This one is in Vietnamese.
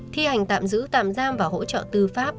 thi hành tạm giữ tạm giam và hỗ trợ tư pháp